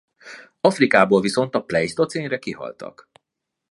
Afrikából viszont a pleisztocénre kihaltak.